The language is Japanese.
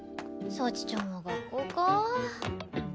幸ちゃんは学校か。